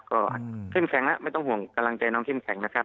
ก็ขึ้นแข็งนะไม่ต้องห่วงกำลังใจน้องขึ้นแข็งนะครับ